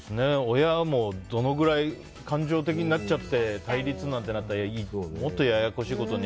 親もどのくらい感情的になっちゃって対立なんてなったらもっとややこしいことに。